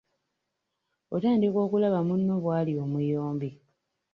Otandika okulaba munno bw’ali omuyombi.